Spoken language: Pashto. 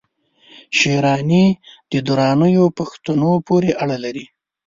شېراني د درانیو پښتنو پوري اړه لري